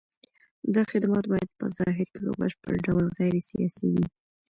دا خدمات باید په ظاهر کې په بشپړ ډول غیر سیاسي وي.